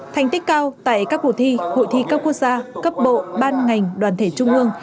thành tích cao tại các cuộc thi hội thi cấp quốc gia cấp bộ ban ngành đoàn thể trung ương